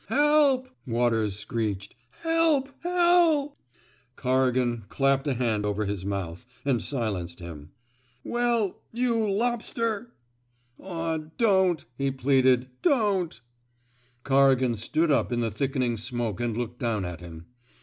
'' Help I '' Waters screeched. '' Help I Hel— " Corrigan clapped a hand over his mouth, and silenced him. *' Well — you — lobster 1 ''" Aw, don't,'' he pleaded. '' Don't! " Corrigan stood up in the thickening smoke and looked down at him.